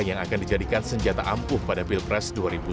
yang akan dijadikan senjata ampuh pada pilpres dua ribu sembilan belas